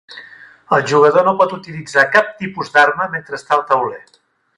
El jugador no pot utilitzar cap tipus d'arma mentre està al tauler.